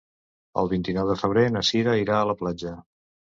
El vint-i-nou de febrer na Cira irà a la platja.